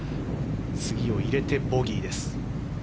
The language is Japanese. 次を入れてボギーです。